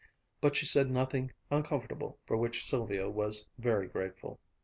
But she said nothing "uncomfortable," for which Sylvia was very grateful.